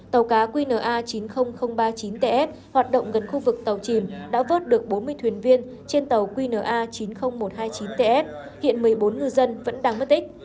tàu cá qna chín mươi nghìn ba mươi chín ts hoạt động gần khu vực tàu chìm đã vớt được bốn mươi thuyền viên trên tàu qna chín mươi nghìn một trăm hai mươi chín ts hiện một mươi bốn ngư dân vẫn đang mất tích